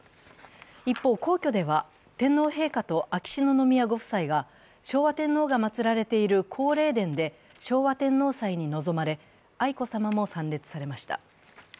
一方、皇居では天皇陛下と秋篠宮ご夫妻が昭和天皇がまつられている皇霊殿で昭和天皇祭に臨まれ、愛子さまも参列されました。